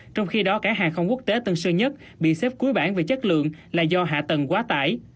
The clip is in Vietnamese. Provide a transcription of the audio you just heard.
trong khi đó cảng hàng không quốc tế tân sơn nhất bị xếp cuối bản về chất lượng là do hạ tầng quá tải